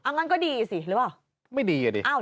อันนั้นก็ดีสิหรือเปล่าอ้าวเหรอไม่ดี